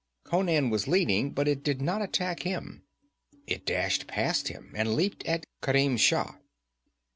Conan was leading, but it did not attack him. It dashed past him and leaped at Kerim Shah.